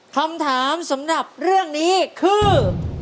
คำถามสำหรับเรื่องนี้คือ